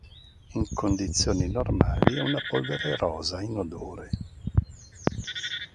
In condizioni normali è una polvere rosa inodore.